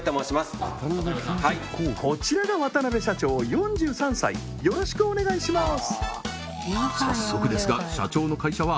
こちらが渡辺社長４３歳よろしくお願いします